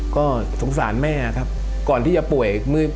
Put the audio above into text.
ก็สงสารแม่ครับก่อนที่จะป่วยมืด